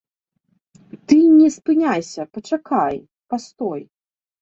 Ты не спыняйся, пачакай, пастой.